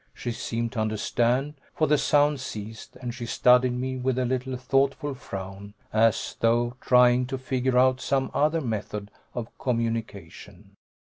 She seemed to understand, for the sound ceased, and she studied me with a little thoughtful frown, as though trying to figure out some other method of communication.